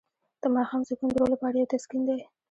د ماښام سکون د روح لپاره یو تسکین دی.